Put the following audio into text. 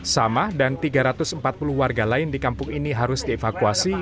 sama dan tiga ratus empat puluh warga lain di kampung ini harus dievakuasi